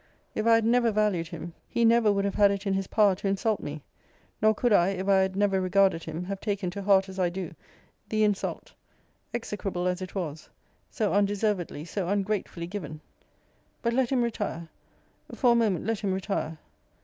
If I had never valued him, he never would have had it in his power to insult me; nor could I, if I had never regarded him, have taken to heart as I do, the insult (execrable as it was) so undeservedly, so ungratefully given but let him retire for a moment let him retire.